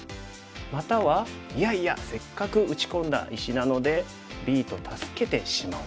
またはいやいやせっかく打ち込んだ石なのでＢと助けてしまおう。